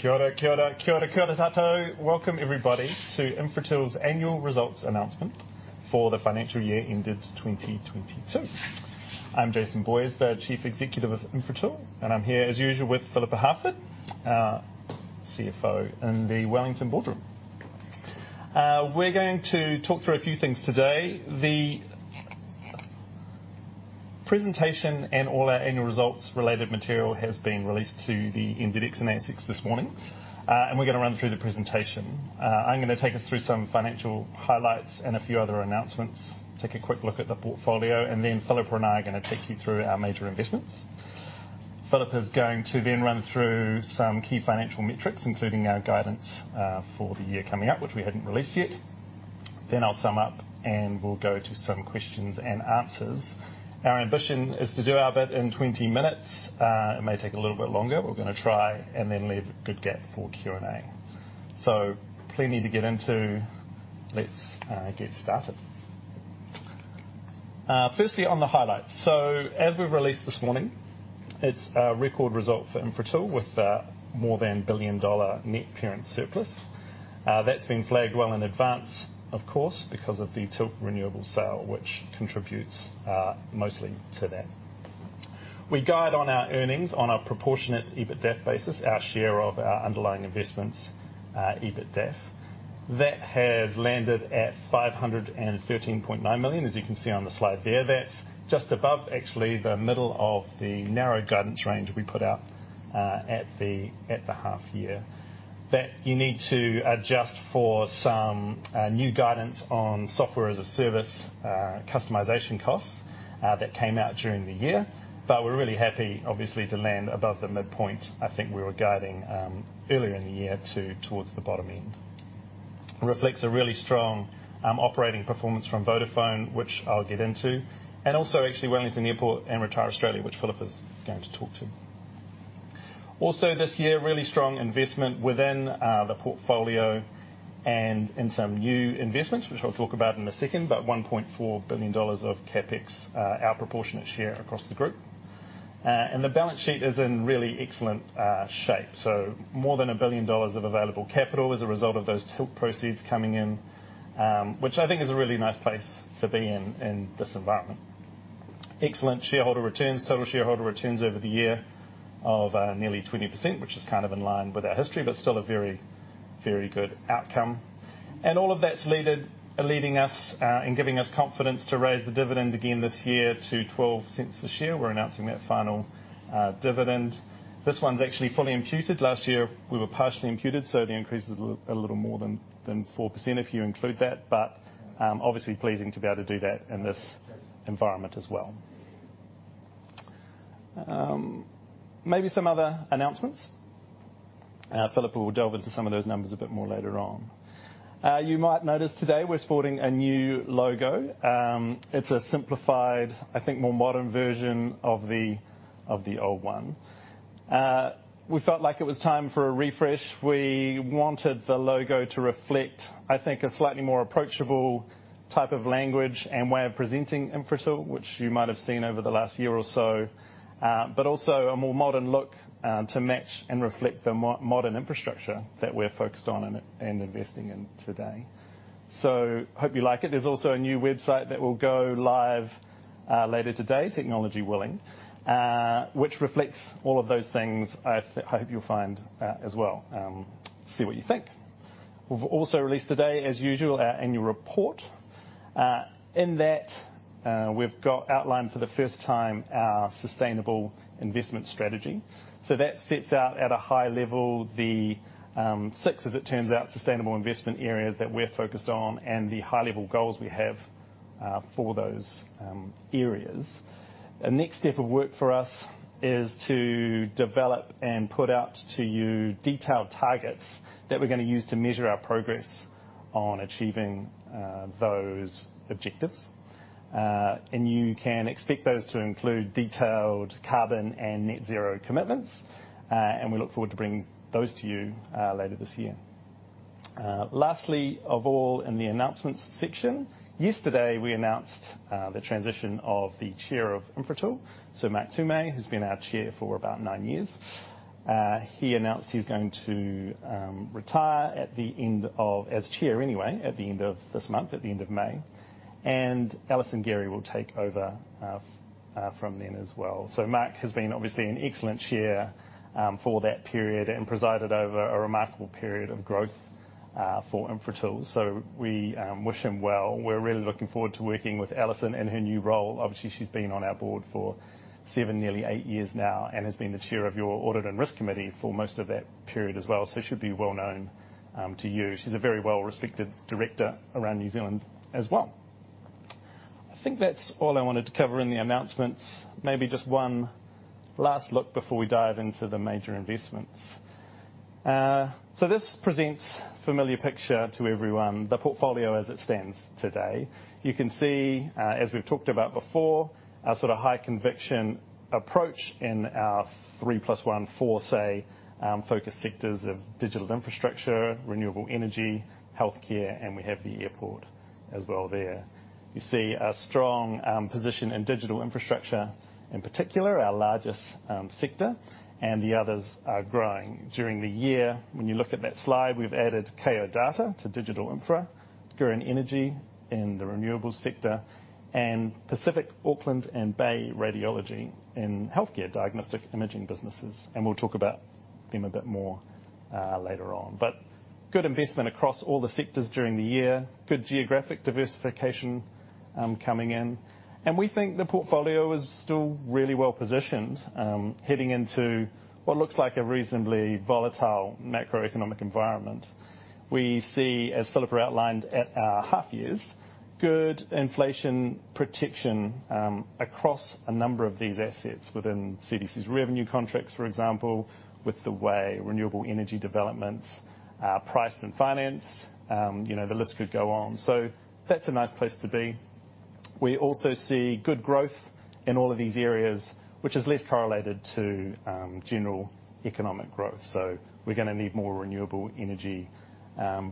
Kia ora tātou. Welcome everybody to Infratil's annual results announcement for the financial year ended 2022. I'm Jason Boyes, the Chief Executive of Infratil, and I'm here, as usual, with Phillippa Harford, CFO in the Wellington boardroom. We're going to talk through a few things today. The presentation and all our annual results related material has been released to the NZX and ASX this morning. We're gonna run through the presentation. I'm gonna take us through some financial highlights and a few other announcements, take a quick look at the portfolio, and then Phillippa and I are gonna take you through our major investments. Phillippa is going to then run through some key financial metrics, including our guidance for the year coming up, which we hadn't released yet. I'll sum up, and we'll go to some questions and answers. Our ambition is to do our bit in 20 minutes. It may take a little bit longer. We're gonna try and then leave a good gap for Q&A. Plenty to get into. Let's get started. Firstly on the highlights. As we've released this morning, it's a record result for Infratil with more than a 1 billion dollar net parent surplus. That's been flagged well in advance, of course, because of the Tilt Renewables sale, which contributes mostly to that. We guide on our earnings on a proportionate EBITDAF basis, our share of our underlying investments EBITDAF. That has landed at 513.9 million, as you can see on the slide there. That's just above actually the middle of the narrow guidance range we put out at the half year. That you need to adjust for some new guidance on software as a service customization costs that came out during the year. We're really happy, obviously, to land above the midpoint I think we were guiding earlier in the year towards the bottom end. Reflects a really strong operating performance from Vodafone, which I'll get into, and also actually Wellington Airport and RetireAustralia, which Phillipa is going to talk to. Also this year, really strong investment within the portfolio and in some new investments, which I'll talk about in a second, but 1.4 billion dollars of CapEx our proportionate share across the group. The balance sheet is in really excellent shape. More than 1 billion dollars of available capital as a result of those Tilt proceeds coming in, which I think is a really nice place to be in in this environment. Excellent shareholder returns. Total shareholder returns over the year of nearly 20%, which is kind of in line with our history, but still a very, very good outcome. All of that's leading us and giving us confidence to raise the dividend again this year to 0.12 a share. We're announcing that final dividend. This one's actually fully imputed. Last year, we were partially imputed, so the increase is a little more than 4% if you include that. Obviously pleasing to be able to do that in this environment as well. Maybe some other announcements. Phillipapa will delve into some of those numbers a bit more later on. You might notice today we're sporting a new logo. It's a simplified, I think, more modern version of the old one. We felt like it was time for a refresh. We wanted the logo to reflect, I think, a slightly more approachable type of language and way of presenting Infratil, which you might have seen over the last year or so. But also a more modern look to match and reflect the modern infrastructure that we're focused on and investing in today. Hope you like it. There's also a new website that will go live later today, technology willing, which reflects all of those things I hope you'll find as well. See what you think. We've also released today, as usual, our annual report. In that, we've got outlined for the first time our sustainable investment strategy. That sets out at a high level the six, as it turns out, sustainable investment areas that we're focused on and the high-level goals we have for those areas. A next step of work for us is to develop and put out to you detailed targets that we're gonna use to measure our progress on achieving those objectives. You can expect those to include detailed carbon and net zero commitments, and we look forward to bringing those to you later this year. Lastly of all, in the announcements section, yesterday, we announced the transition of the chair of Infratil. Mark Tume, who's been our chair for about nine years, he announced he's going to retire as chair anyway, at the end of this month, at the end of May. Alison Gerry will take over from then as well. Mark has been obviously an excellent chair for that period and presided over a remarkable period of growth for Infratil. We wish him well. We're really looking forward to working with Alison in her new role. Obviously, she's been on our board for seven, nearly eight years now and has been the chair of your Audit and Risk Committee for most of that period as well, so she'll be well known to you. She's a very well-respected director around New Zealand as well. I think that's all I wanted to cover in the announcements. Maybe just one last look before we dive into the major investments. This presents familiar picture to everyone, the portfolio as it stands today. You can see, as we've talked about before, our sort of high conviction approach in our three plus one four, say, focus sectors of digital infrastructure, renewable energy, healthcare, and we have the airport. As well there. You see a strong position in digital infrastructure, in particular, our largest sector, and the others are growing. During the year, when you look at that slide, we've added Kao Data to digital infra, Gurīn Energy in the renewables sector, and Pacific Radiology, Auckland Radiology Group, and Bay Radiology in healthcare diagnostic imaging businesses. We'll talk about them a bit more, later on. Good investment across all the sectors during the year. Good geographic diversification, coming in. We think the portfolio is still really well-positioned, heading into what looks like a reasonably volatile macroeconomic environment. We see, as Phillippa outlined at our half years, good inflation protection, across a number of these assets within CDC's revenue contracts, for example, with the way renewable energy developments are priced and financed, you know, the list could go on. That's a nice place to be. We also see good growth in all of these areas, which is less correlated to, general economic growth. We're gonna need more renewable energy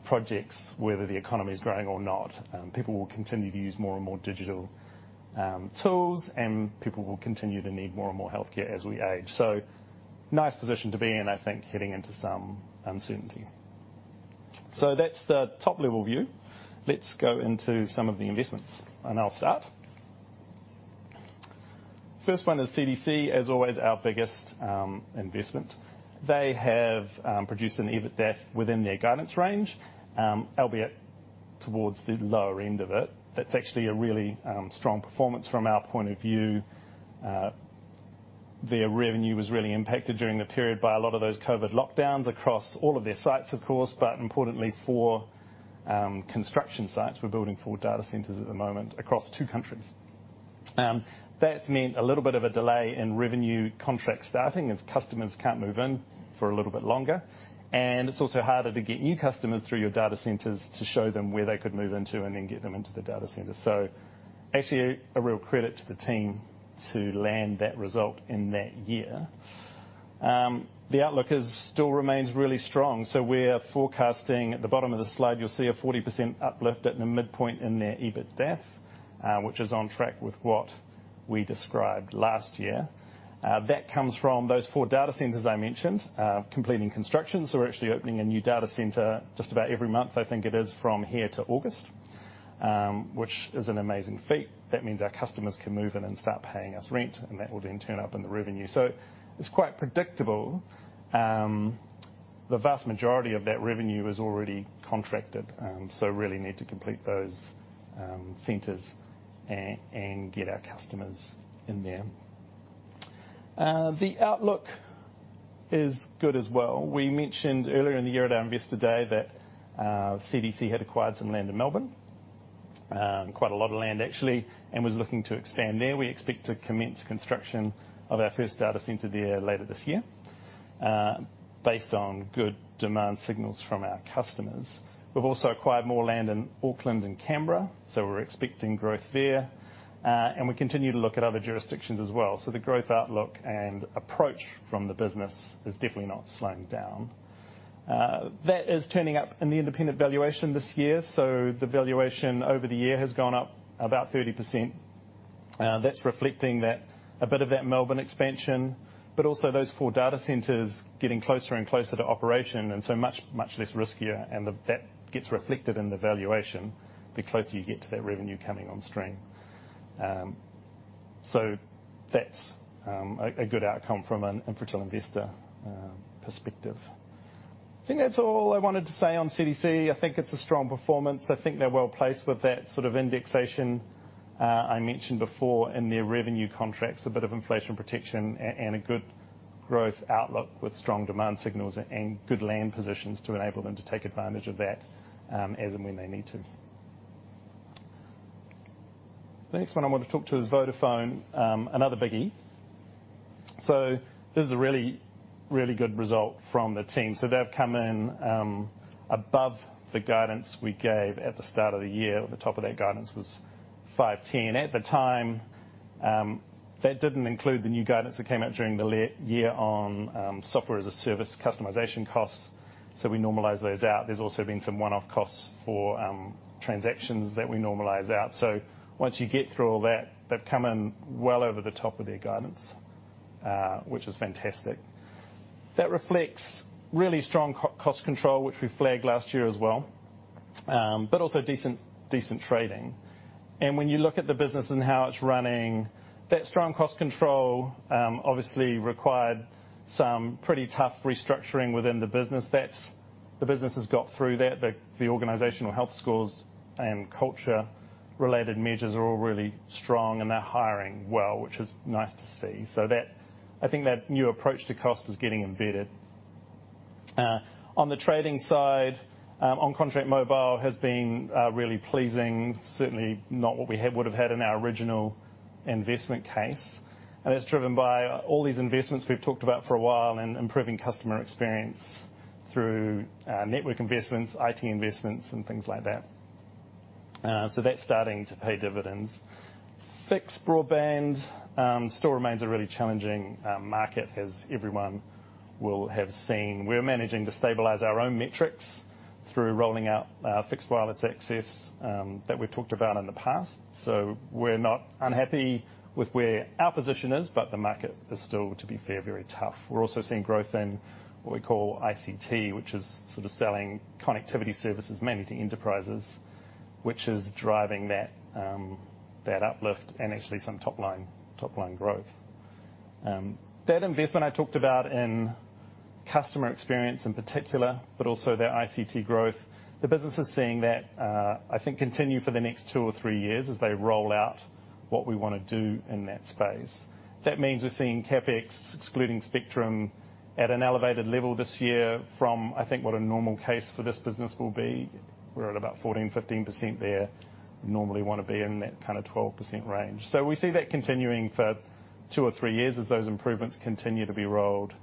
projects, whether the economy is growing or not. People will continue to use more and more digital tools, and people will continue to need more and more healthcare as we age. Nice position to be in, I think, heading into some uncertainty. That's the top-level view. Let's go into some of the investments, and I'll start. First one is CDC, as always, our biggest investment. They have produced an EBITDAF within their guidance range, albeit towards the lower end of it. That's actually a really strong performance from our point of view. Their revenue was really impacted during the period by a lot of those COVID lockdowns across all of their sites, of course, but importantly for construction sites. We're building four data centers at the moment across two countries. That's meant a little bit of a delay in revenue contracts starting as customers can't move in for a little bit longer. It's also harder to get new customers through your data centers to show them where they could move into and then get them into the data center. Actually a real credit to the team to land that result in that year. The outlook still remains really strong. We're forecasting at the bottom of the slide, you'll see a 40% uplift at the midpoint in their EBITDAF, which is on track with what we described last year. That comes from those four data centers I mentioned, completing construction. We're actually opening a new data center just about every month, I think it is from here to August, which is an amazing feat. That means our customers can move in and start paying us rent, and that will then turn up in the revenue. It's quite predictable. The vast majority of that revenue is already contracted, so really need to complete those centers and get our customers in there. The outlook is good as well. We mentioned earlier in the year at our Investor Day that, CDC had acquired some land in Melbourne, quite a lot of land, actually, and was looking to expand there. We expect to commence construction of our first data center there later this year, based on good demand signals from our customers. We've also acquired more land in Auckland and Canberra, so we're expecting growth there. We continue to look at other jurisdictions as well. The growth outlook and approach from the business is definitely not slowing down. That is turning up in the independent valuation this year. The valuation over the year has gone up about 30%. That's reflecting that a bit of that Melbourne expansion, but also those four data centers getting closer and closer to operation, and so much less riskier. That gets reflected in the valuation the closer you get to that revenue coming on stream. That's a good outcome from an Infratil investor perspective. I think that's all I wanted to say on CDC. I think it's a strong performance. I think they're well-placed with that sort of indexation I mentioned before in their revenue contracts, a bit of inflation protection and a good growth outlook with strong demand signals and good land positions to enable them to take advantage of that, as and when they need to. The next one I want to talk to is Vodafone, another biggie. This is a really good result from the team. They've come in above the guidance we gave at the start of the year. The top of that guidance was 510. At the time, that didn't include the new guidance that came out during the last year on Software as a Service customization costs. We normalize those out. There's also been some one-off costs for transactions that we normalize out. Once you get through all that, they've come in well over the top of their guidance, which is fantastic. That reflects really strong cost control, which we flagged last year as well, but also decent trading. When you look at the business and how it's running, that strong cost control obviously required some pretty tough restructuring within the business. The business has got through that. The organizational health scores and culture related measures are all really strong, and they're hiring well, which is nice to see. I think that new approach to cost is getting embedded. On the trading side, our contract mobile has been really pleasing, certainly not what we would have had in our original investment case. It's driven by all these investments we've talked about for a while and improving customer experience through network investments, IT investments, and things like that. That's starting to pay dividends. Fixed broadband still remains a really challenging market as everyone will have seen. We're managing to stabilize our own metrics through rolling out fixed wireless access that we've talked about in the past. We're not unhappy with where our position is, but the market is still, to be fair, very tough. We're also seeing growth in what we call ICT, which is sort of selling connectivity services mainly to enterprises, which is driving that uplift and actually some top line growth. That investment I talked about in customer experience in particular, but also that ICT growth, the business is seeing that, I think continue for the next two or three years as they roll out what we wanna do in that space. That means we're seeing CapEx excluding spectrum at an elevated level this year from, I think, what a normal case for this business will be. We're at about 14%-15% there. Normally wanna be in that kind of 12% range. We see that continuing for 2 or 3 years as those improvements continue to be rolled out,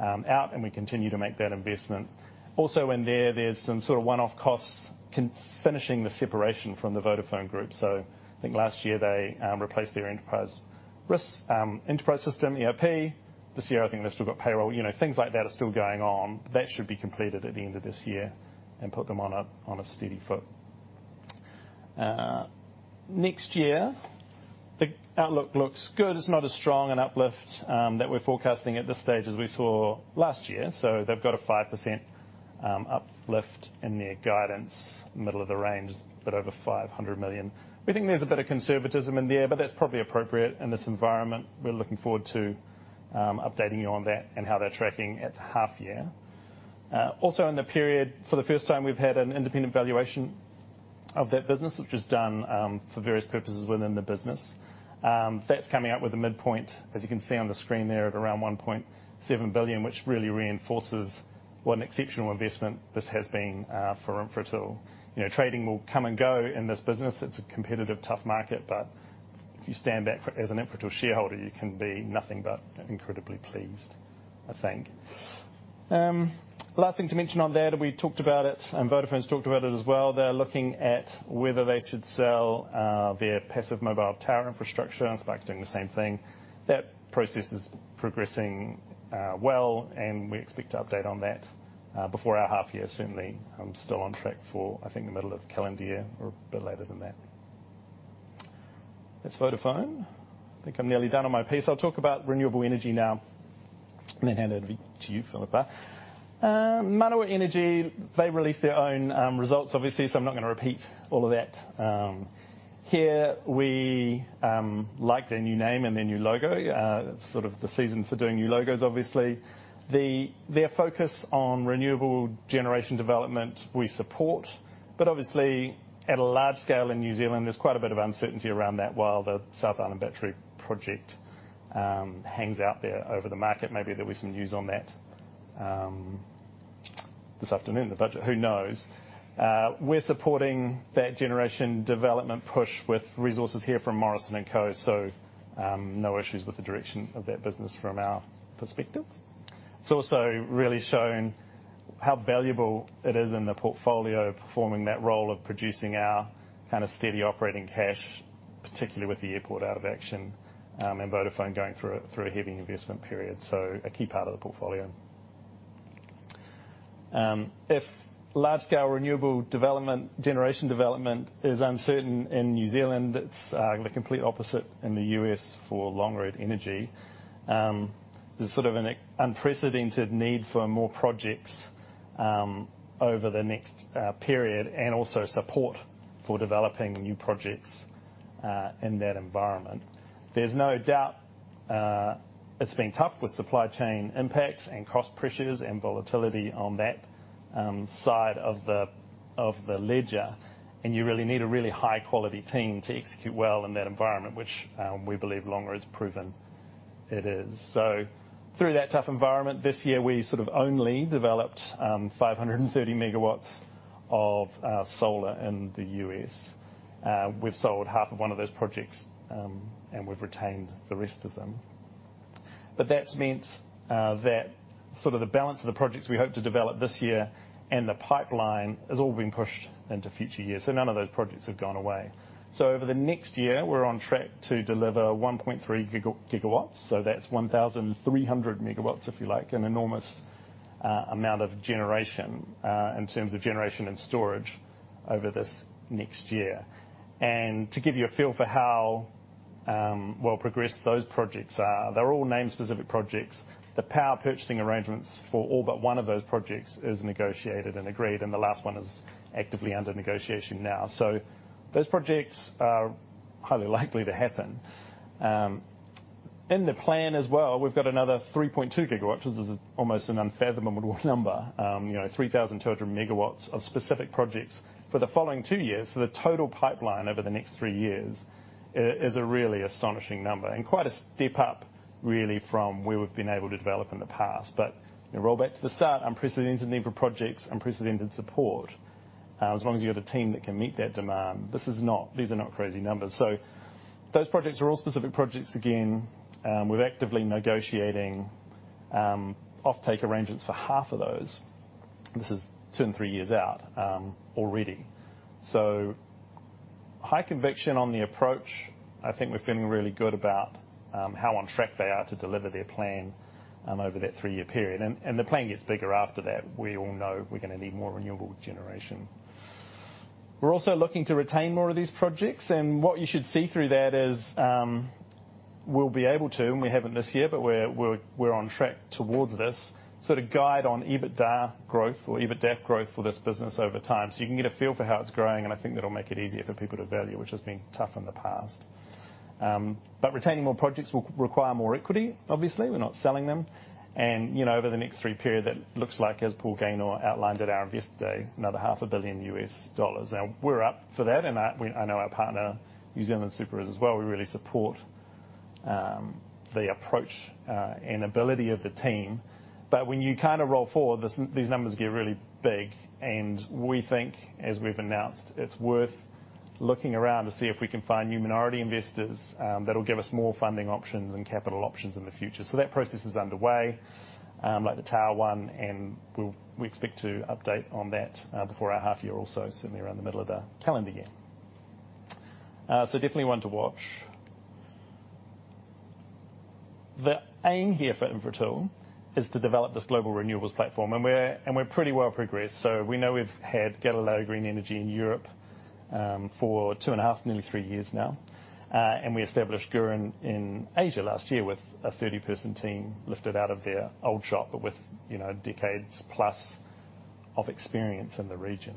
and we continue to make that investment. Also in there's some sort of one-off costs finishing the separation from the Vodafone Group. I think last year, they replaced their enterprise system, ERP. This year, I think they've still got payroll. You know, things like that are still going on. That should be completed at the end of this year and put them on a steady footing. Next year, the outlook looks good. It's not as strong an uplift that we're forecasting at this stage as we saw last year. They've got a 5% uplift in their guidance. Middle of the range, but over 500 million. We think there's a bit of conservatism in there, but that's probably appropriate in this environment. We're looking forward to updating you on that and how they're tracking at half year. Also in the period, for the first time, we've had an independent valuation of that business, which was done for various purposes within the business. That's coming out with a midpoint, as you can see on the screen there, at around 1.7 billion, which really reinforces what an exceptional investment this has been for Infratil. You know, trading will come and go in this business. It's a competitive, tough market, but if you stand back as an Infratil shareholder, you can be nothing but incredibly pleased, I think. Last thing to mention on there, we talked about it, and Vodafone's talked about it as well. They're looking at whether they should sell their passive mobile tower infrastructure, and Spark's doing the same thing. That process is progressing well, and we expect to update on that before our half year. Certainly, I'm still on track for, I think, the middle of calendar year or a bit later than that. That's Vodafone. I think I'm nearly done on my piece. I'll talk about renewable energy now and then hand over to you, Phillipapa. Manawa Energy, they released their own results obviously, so I'm not gonna repeat all of that. Here we like their new name and their new logo. Sort of the season for doing new logos obviously. Their focus on renewable generation development we support, but obviously at a large scale in New Zealand, there's quite a bit of uncertainty around that, while the New Zealand Battery Project hangs out there over the market. Maybe there'll be some news on that this afternoon, the budget. Who knows? We're supporting that generation development push with resources here from Morrison & Co. No issues with the direction of that business from our perspective. It's also really shown how valuable it is in the portfolio performing that role of producing our kinda steady operating cash, particularly with the airport out of action, and Vodafone going through a heavy investment period. A key part of the portfolio. If large scale renewable development, generation development is uncertain in New Zealand, it's the complete opposite in the U.S. for Longroad Energy. There's sort of an unprecedented need for more projects over the next period and also support for developing new projects in that environment. There's no doubt, it's been tough with supply chain impacts and cost pressures and volatility on that side of the ledger, and you really need a really high-quality team to execute well in that environment, which we believe Longroad has proven it is. Through that tough environment this year, we sort of only developed 530 MW of solar in the U.S. We've sold half of one of those projects, and we've retained the rest of them. That's meant that sort of the balance of the projects we hope to develop this year and the pipeline has all been pushed into future years. None of those projects have gone away. Over the next year, we're on track to deliver 1.3 GW. That's 1,300 MW, if you like. An enormous amount of generation in terms of generation and storage over this next year. To give you a feel for how well progressed those projects are, they're all name-specific projects. The power purchasing arrangements for all but one of those projects is negotiated and agreed, and the last one is actively under negotiation now. Those projects are highly likely to happen. In the plan as well, we've got another 3.2 GW. This is almost an unfathomable number. You know, 3,200 MW of specific projects for the following two years. The total pipeline over the next three years is a really astonishing number and quite a step up really from where we've been able to develop in the past. Roll back to the start, unprecedented need for projects, unprecedented support. As long as you have a team that can meet that demand, these are not crazy numbers. Those projects are all specific projects again. We're actively negotiating offtake arrangements for half of those. This is two and three years out already. High conviction on the approach. I think we're feeling really good about how on track they are to deliver their plan over that three-year period. The plan gets bigger after that. We all know we're gonna need more renewable generation. We're also looking to retain more of these projects, and what you should see through that is we'll be able to, and we haven't this year, but we're on track towards this sort of guide on EBITDA growth or EBITDA growth for this business over time. You can get a feel for how it's growing, and I think that'll make it easier for people to value, which has been tough in the past. Retaining more projects will require more equity, obviously. We're not selling them. You know, over the next three-year period, that looks like, as Paul Gaynor outlined at our Investor Day, another half a billion US dollars. Now, we're up for that, and I know our partner, New Zealand Super, is as well. We really support the approach and ability of the team. When you kind of roll forward, these numbers get really big. We think, as we've announced, it's worth looking around to see if we can find new minority investors, that'll give us more funding options and capital options in the future. That process is underway, like the Tower One, and we expect to update on that before our half year or so, certainly around the middle of the calendar year. Definitely one to watch. The aim here for Infratil is to develop this global renewables platform, and we're pretty well progressed. We know we've had Galileo Green Energy in Europe for 2.5, nearly three years now. We established Gurīn Energy in Asia last year with a 30-person team lifted out of their old shop with, you know, decades plus of experience in the region.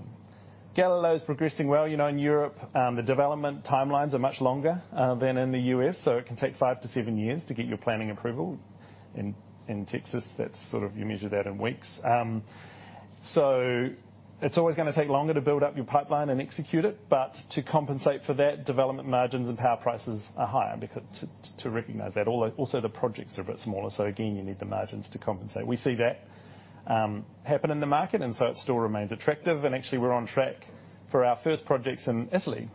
Galileo is progressing well. You know, in Europe, the development timelines are much longer than in the U.S., so it can take five to seven years to get your planning approval. In Texas, that's sort of, you measure that in weeks. It's always gonna take longer to build up your pipeline and execute it, but to compensate for that, development margins and power prices are higher because to recognize that. Although also the projects are a bit smaller, so again, you need the margins to compensate. We see that happen in the market, and so it still remains attractive. Actually, we're on track for our first projects in Italy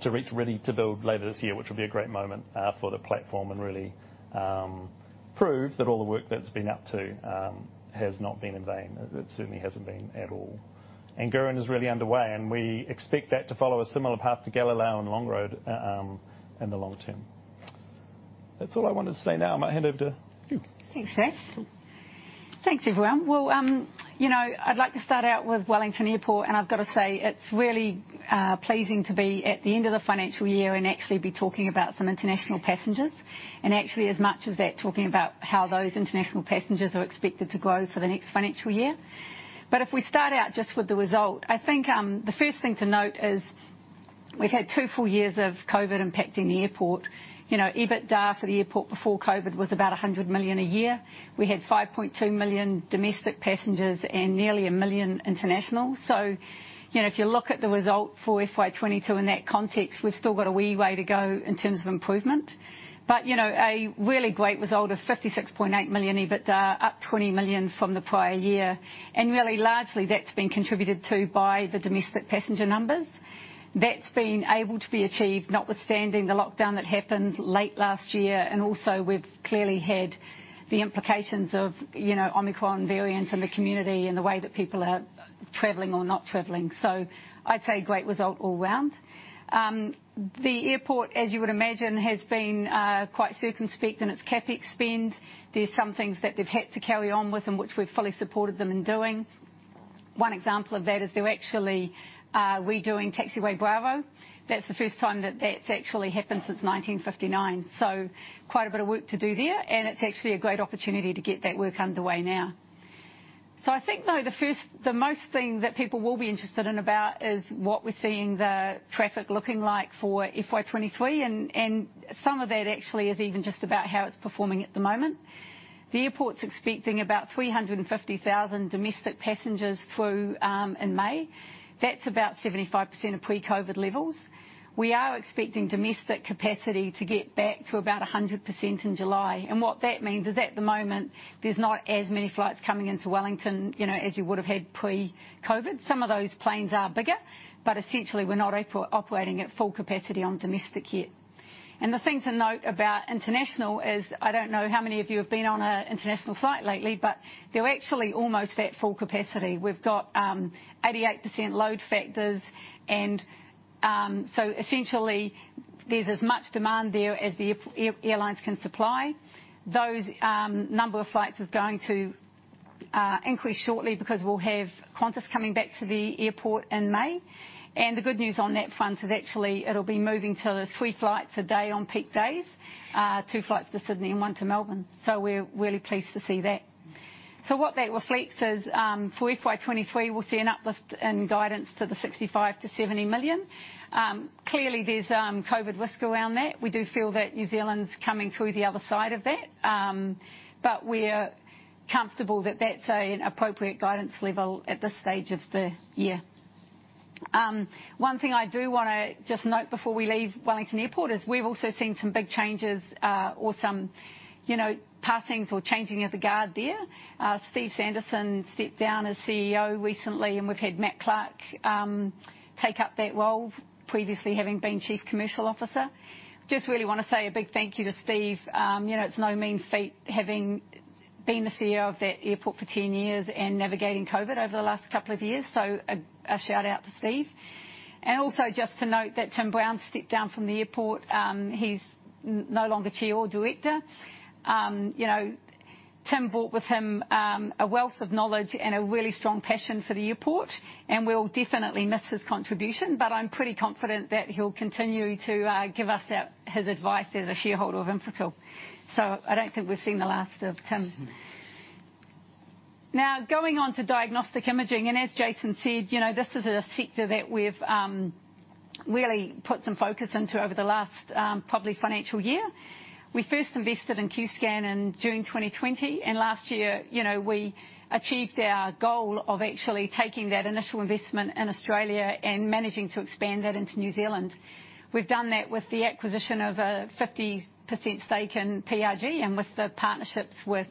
to reach ready to build later this year, which will be a great moment for the platform and really prove that all the work that's been up to has not been in vain. It certainly hasn't been at all. Gurīn is really underway, and we expect that to follow a similar path to Galileo and Longroad in the long term. That's all I wanted to say. Now I'm gonna hand over to you. Thanks, Zach. Thanks, everyone. Well, you know, I'd like to start out with Wellington Airport, and I've gotta say, it's really pleasing to be at the end of the financial year and actually be talking about some international passengers. Actually, as much as that talking about how those international passengers are expected to grow for the next financial year. If we start out just with the result, I think the first thing to note is we've had two full years of COVID impacting the airport. You know, EBITDA for the airport before COVID was about 100 million a year. We had 5.2 million domestic passengers and nearly one million international. You know, if you look at the result for FY 2022 in that context, we've still got a wee way to go in terms of improvement. You know, a really great result of 56.8 million EBITDA, up 20 million from the prior year. Really largely, that's been contributed to by the domestic passenger numbers. That's been able to be achieved notwithstanding the lockdown that happened late last year. Also we've clearly had the implications of, you know, Omicron variant in the community and the way that people are traveling or not traveling. I'd say great result all round. The airport, as you would imagine, has been quite circumspect in its CapEx spend. There's some things that they've had to carry on with, and which we've fully supported them in doing. One example of that is they're actually redoing Taxiway Bravo. That's the first time that that's actually happened since 1959. Quite a bit of work to do there, and it's actually a great opportunity to get that work underway now. I think, though, the most thing that people will be interested in about is what we're seeing the traffic looking like for FY 2023, and some of that actually is even just about how it's performing at the moment. The airport's expecting about 350,000 domestic passengers through in May. That's about 75% of pre-COVID levels. We are expecting domestic capacity to get back to about 100% in July, and what that means is at the moment, there's not as many flights coming into Wellington, you know, as you would have had pre-COVID. Some of those planes are bigger, but essentially, we're not operating at full capacity on domestic yet. The thing to note about international is, I don't know how many of you have been on an international flight lately, but they're actually almost at full capacity. We've got 88% load factors and so essentially there's as much demand there as the airlines can supply. The number of flights is going to increase shortly because we'll have Qantas coming back to the airport in May. The good news on that front is actually it'll be moving to three flights a day on peak days, two flights to Sydney and one to Melbourne. We're really pleased to see that. What that reflects is, for FY 2023, we'll see an uplift in guidance to 65 million-70 million. Clearly there's COVID risk around that. We do feel that New Zealand's coming through the other side of that. We're comfortable that that's an appropriate guidance level at this stage of the year. One thing I do wanna just note before we leave Wellington Airport is we've also seen some big changes, or some, you know, passings or changing of the guard there. Steve Sanderson stepped down as CEO recently, and we've had Matt Clarke take up that role, previously having been chief commercial officer. Just really wanna say a big thank you to Steve. You know, it's no mean feat having been the CEO of that airport for 10 years and navigating COVID over the last couple of years, so a shout-out to Steve. Also just to note that Tim Brown stepped down from the airport, he's no longer chair or director. You know, Tim brought with him a wealth of knowledge and a really strong passion for the airport, and we'll definitely miss his contribution, but I'm pretty confident that he'll continue to give us his advice as a shareholder of Infratil. I don't think we've seen the last of Tim. Now, going on to diagnostic imaging, and as Jason said, you know, this is a sector that we've really put some focus into over the last probably financial year. We first invested in Qscan in June 2020, and last year, you know, we achieved our goal of actually taking that initial investment in Australia and managing to expand that into New Zealand. We've done that with the acquisition of a 50% stake in PRG and with the partnerships with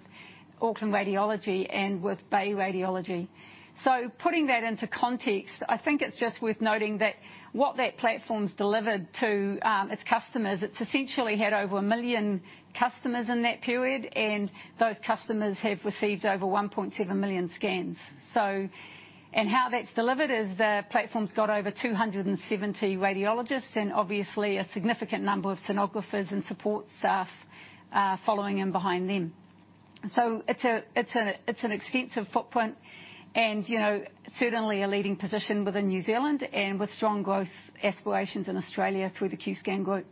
Auckland Radiology and with Bay Radiology. Putting that into context, I think it's just worth noting that what that platform's delivered to its customers, it's essentially had over one million customers in that period, and those customers have received over 1.7 million scans. How that's delivered is the platform's got over 270 radiologists, and obviously a significant number of sonographers and support staff following in behind them. It's an extensive footprint and, you know, certainly a leading position within New Zealand and with strong growth aspirations in Australia through the Qscan group.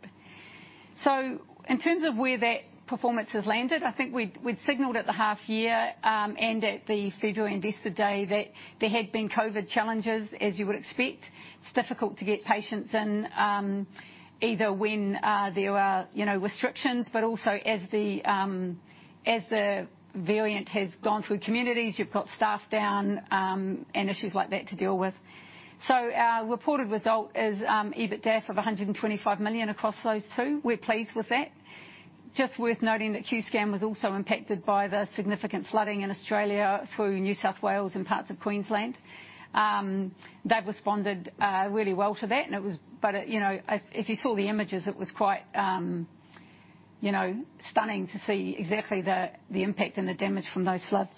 In terms of where that performance has landed, I think we'd signaled at the half-year and at the full-year Investor Day that there had been COVID challenges, as you would expect. It's difficult to get patients in, either when there are, you know, restrictions, but also as the variant has gone through communities, you've got staff down, and issues like that to deal with. Our reported result is EBITDAF of 125 million across those two. We're pleased with that. Just worth noting that Qscan was also impacted by the significant flooding in Australia through New South Wales and parts of Queensland. They've responded really well to that, but, you know, if you saw the images, it was quite, you know, stunning to see exactly the impact and the damage from those floods.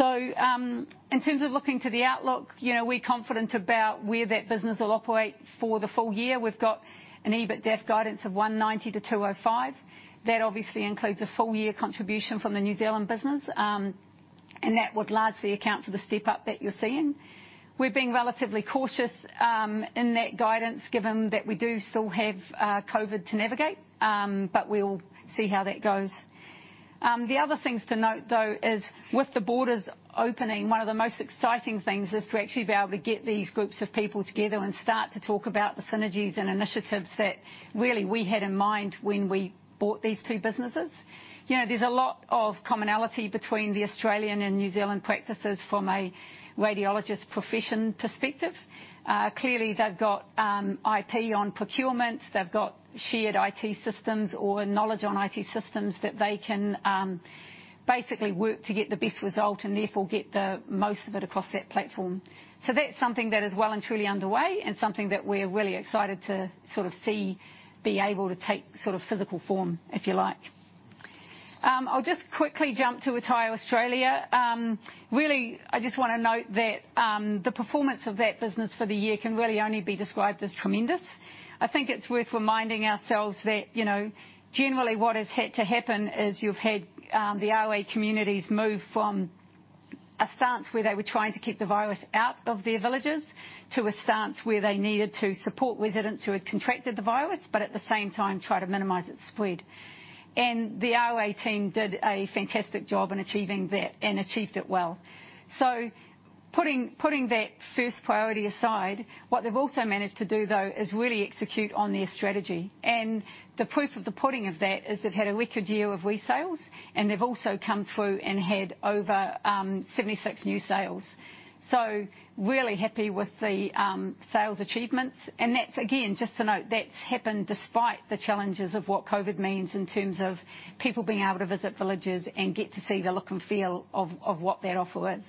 In terms of looking to the outlook, you know, we're confident about where that business will operate for the full year. We've got an EBITDAF guidance of 190-205. That obviously includes a full year contribution from the New Zealand business, and that would largely account for the step up that you're seeing. We're being relatively cautious in that guidance given that we do still have COVID to navigate, but we'll see how that goes. The other things to note, though, is with the borders opening, one of the most exciting things is to actually be able to get these groups of people together and start to talk about the synergies and initiatives that really we had in mind when we bought these two businesses. You know, there's a lot of commonality between the Australian and New Zealand practices from a radiologist profession perspective. Clearly they've got IP on procurements. They've got shared IT systems or knowledge on IT systems that they can basically work to get the best result and therefore get the most of it across that platform. That's something that is well and truly underway and something that we're really excited to sort of see be able to take sort of physical form, if you like. I'll just quickly jump to RetireAustralia. Really, I just wanna note that the performance of that business for the year can really only be described as tremendous. I think it's worth reminding ourselves that, you know, generally what has had to happen is you've had the RetireAustralia communities move from a stance where they were trying to keep the virus out of their villages to a stance where they needed to support residents who had contracted the virus, but at the same time try to minimize its spread. The RetireAustralia team did a fantastic job in achieving that and achieved it well. Putting that first priority aside, what they've also managed to do, though, is really execute on their strategy. The proof of the pudding of that is they've had a record year of resales, and they've also come through and had over 76 new sales. Really happy with the sales achievements. Again, just to note, that's happened despite the challenges of what COVID means in terms of people being able to visit villages and get to see the look and feel of what that offer is.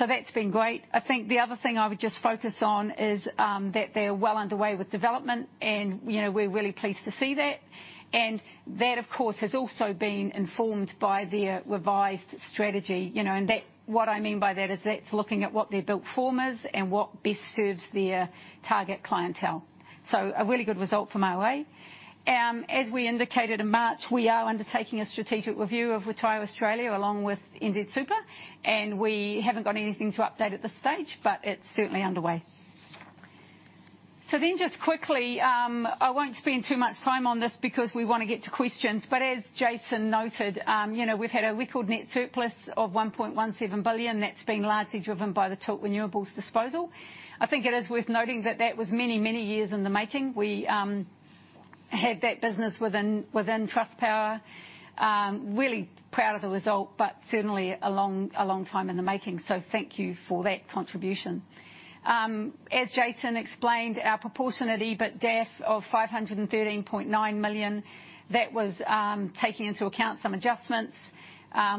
That's been great. I think the other thing I would just focus on is that they are well underway with development and, you know, we're really pleased to see that. That, of course, has also been informed by their revised strategy, you know. What I mean by that is that's looking at what their built form is and what best serves their target clientele. A really good result from RoE. As we indicated in March, we are undertaking a strategic review of RetireAustralia along with NZ Super, and we haven't got anything to update at this stage, but it's certainly underway. Just quickly, I won't spend too much time on this because we wanna get to questions, but as Jason noted, you know, we've had a record net surplus of 1.17 billion. That's been largely driven by the Tilt Renewables disposal. I think it is worth noting that that was many, many years in the making. We had that business within Trustpower. Really proud of the result, but certainly a long time in the making. Thank you for that contribution. As Jason explained, our proportionate EBITDAF of 513.9 million, that was taking into account some adjustments.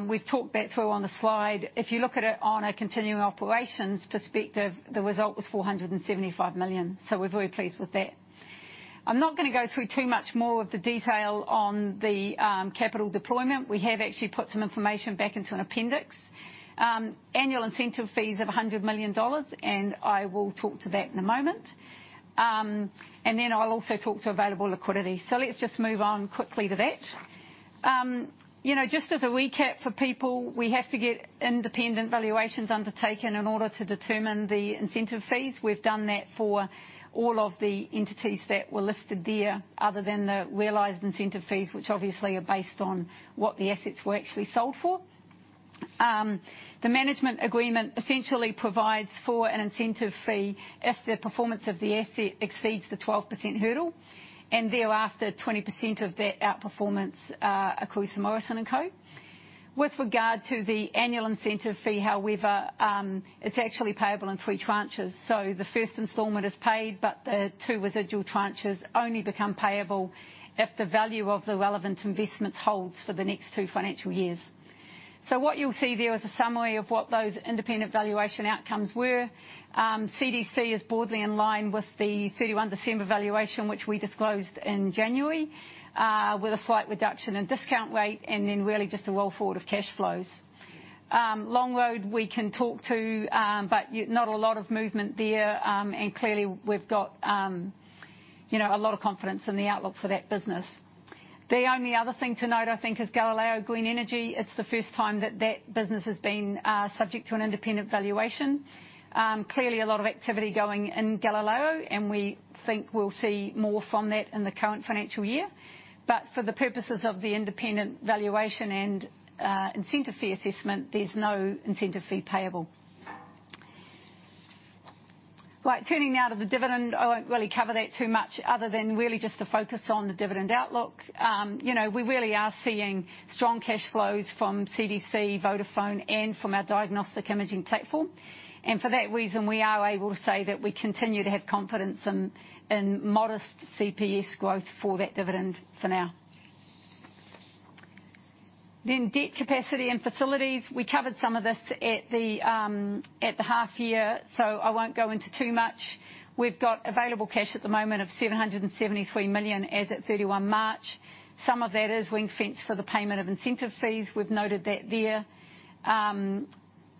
We've talked that through on the slide. If you look at it on a continuing operations perspective, the result was 475 million. We're very pleased with that. I'm not gonna go through too much more of the detail on the capital deployment. We have actually put some information back into an appendix. Annual incentive fees of 100 million dollars, and I will talk to that in a moment. Then I'll also talk to available liquidity. Let's just move on quickly to that. You know, just as a recap for people, we have to get independent valuations undertaken in order to determine the incentive fees. We've done that for all of the entities that were listed there other than the realized incentive fees, which obviously are based on what the assets were actually sold for. The management agreement essentially provides for an incentive fee if the performance of the asset exceeds the 12% hurdle, and thereafter, 20% of that outperformance accrues to Morrison & Co. With regard to the annual incentive fee, however, it's actually payable in 3 tranches. The first installment is paid, but the two residual tranches only become payable if the value of the relevant investments holds for the next two financial years. What you'll see there is a summary of what those independent valuation outcomes were. CDC is broadly in line with the 31 December valuation, which we disclosed in January, with a slight reduction in discount rate and then really just a roll forward of cash flows. Longroad we can talk to, but not a lot of movement there, and clearly we've got, you know, a lot of confidence in the outlook for that business. The only other thing to note, I think, is Galileo Green Energy. It's the first time that that business has been subject to an independent valuation. Clearly a lot of activity going on in Galileo, and we think we'll see more from that in the current financial year. For the purposes of the independent valuation and incentive fee assessment, there's no incentive fee payable. Right. Turning now to the dividend, I won't really cover that too much other than really just to focus on the dividend outlook. You know, we really are seeing strong cash flows from CDC, Vodafone, and from our diagnostic imaging platform. For that reason, we are able to say that we continue to have confidence in modest CPS growth for that dividend for now. Then debt capacity and facilities. We covered some of this at the half year, so I won't go into too much. We've got available cash at the moment of 773 million as at 31 March. Some of that is ring-fenced for the payment of incentive fees. We've noted that there.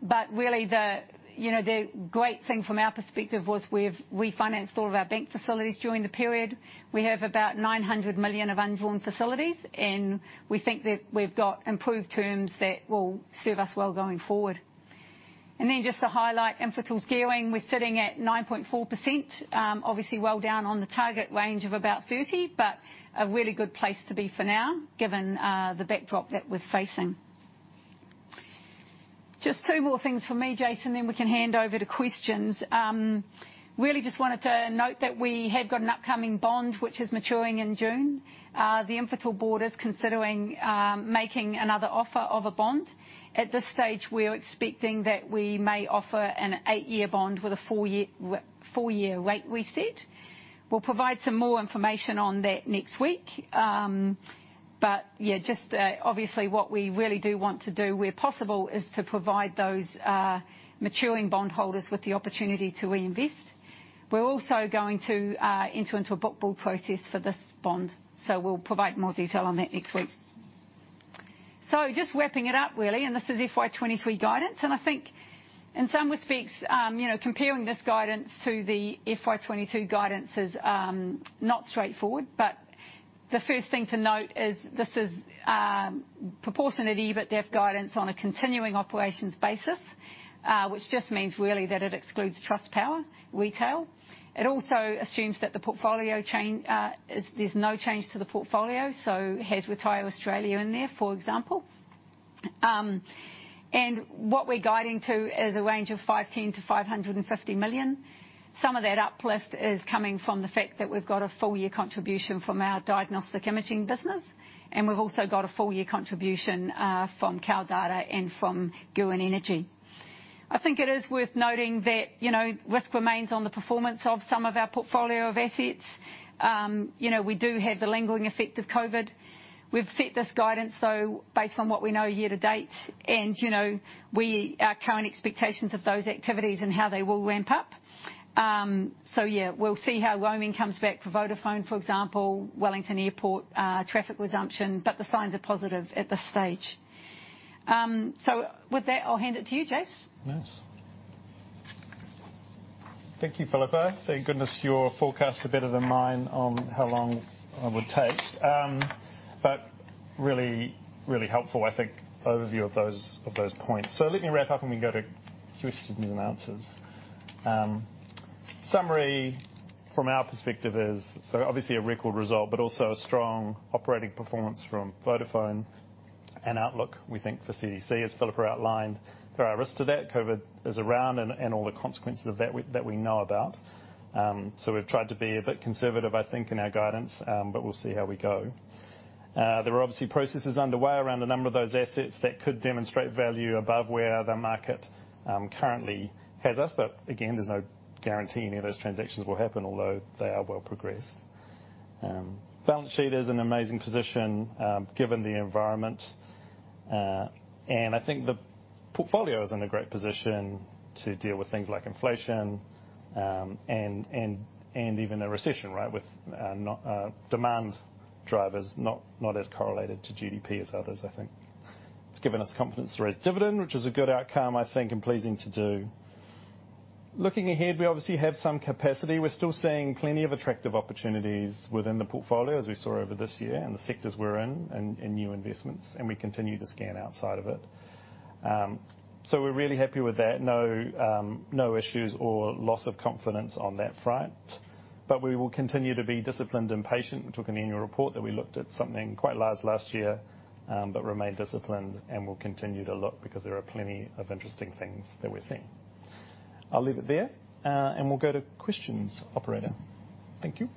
But really the, you know, the great thing from our perspective was we've refinanced all of our bank facilities during the period. We have about 900 million of undrawn facilities, and we think that we've got improved terms that will serve us well going forward. Just to highlight Infratil's gearing, we're sitting at 9.4%, obviously well down on the target range of about 30%, but a really good place to be for now, given the backdrop that we're facing. Just two more things from me, Jason, then we can hand over to questions. Really just wanted to note that we have got an upcoming bond which is maturing in June. The Infratil board is considering making another offer of a bond. At this stage, we're expecting that we may offer an eight year bond with a four year rate reset. We'll provide some more information on that next week. Yeah, just obviously what we really do want to do where possible is to provide those maturing bondholders with the opportunity to reinvest. We're also going to enter into a book build process for this bond, so we'll provide more detail on that next week. Just wrapping it up really, and this is FY 2023 guidance. I think in some respects, you know, comparing this guidance to the FY 2022 guidance is not straightforward. The first thing to note is this is proportionate EBITDAF guidance on a continuing operations basis, which just means really that it excludes Trustpower Retail. It also assumes that the portfolio change is that there's no change to the portfolio, so has RetireAustralia in there, for example. What we're guiding to is a range of 510 million-550 million. Some of that uplift is coming from the fact that we've got a full year contribution from our diagnostic imaging business, and we've also got a full year contribution from Kao Data and from Gurīn Energy. I think it is worth noting that, you know, risk remains on the performance of some of our portfolio of assets. You know, we do have the lingering effect of COVID. We've set this guidance based on what we know year to date and, you know, our current expectations of those activities and how they will ramp up. We'll see how roaming comes back for Vodafone, for example, Wellington Airport traffic resumption, but the signs are positive at this stage. With that, I'll hand it to you, Jason. Nice. Thank you, Phillipapa. Thank goodness your forecast is better than mine on how long I would take. But really helpful, I think, overview of those points. Let me wrap up and we go to questions and answers. Summary from our perspective is so obviously a record result, but also a strong operating performance from Vodafone and outlook, we think for CDC, as Phillipapa outlined. There are risks to that. COVID is around and all the consequences of that we know about. We've tried to be a bit conservative, I think, in our guidance, but we'll see how we go. There are obviously processes underway around a number of those assets that could demonstrate value above where the market currently has us. Again, there's no guarantee any of those transactions will happen, although they are well progressed. Balance sheet is in amazing position, given the environment. I think the portfolio is in a great position to deal with things like inflation, and even a recession, right, with demand drivers not as correlated to GDP as others, I think. It's given us confidence to raise dividend, which is a good outcome, I think, and pleasing to do. Looking ahead, we obviously have some capacity. We're still seeing plenty of attractive opportunities within the portfolio as we saw over this year, and the sectors we're in and new investments, and we continue to scan outside of it. We're really happy with that. No, no issues or loss of confidence on that front, but we will continue to be disciplined and patient. We took a look at something quite large last year, but remained disciplined, and we'll continue to look because there are plenty of interesting things that we're seeing. I'll leave it there, and we'll go to questions, operator. Thank you.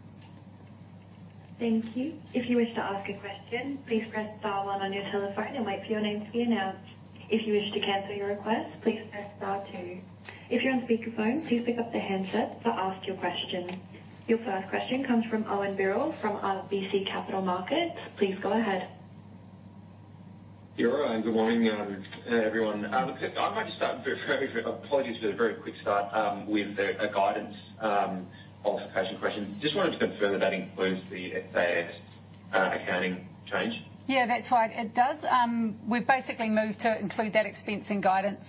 Thank you. If you wish to ask a question, please press star one on your telephone and wait for your name to be announced. If you wish to cancel your request, please press star two. If you're on speakerphone, please pick up the handset to ask your question. Your first question comes from Owen Birrell from RBC Capital Markets. Please go ahead. Yeah. Good morning, everyone. I'd like to start very. Apologies for the very quick start. With a guidance clarification question. Just wanted to confirm that that includes the SaaS accounting change. Yeah, that's right. It does. We've basically moved to include that expense in guidance.